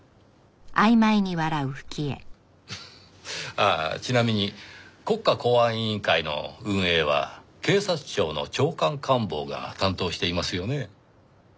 ああちなみに国家公安委員会の運営は警察庁の長官官房が担当していますよね？